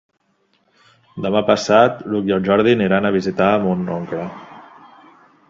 Demà passat n'Hug i en Jordi aniran a visitar mon oncle.